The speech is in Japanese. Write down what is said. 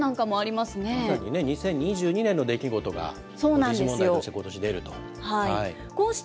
まさにね、２０２２年の出来事が時事問題としてことし出ると。